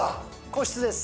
個室です。